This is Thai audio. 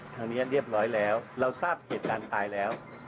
ทางนี้เรียบร้อยแล้วเราทราบเหตุการณ์ตายแล้ว